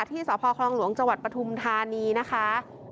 ที่สคลจปทุมธานีนะคะ